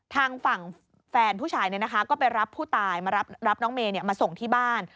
ทางฝั่งแฟนผู้ชายก็ไปรับผู้ตายมารับน้องเมย์มาส่งที่บ้าน